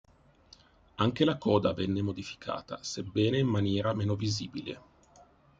Anche la coda venne modificata, sebbene in maniera meno visibile.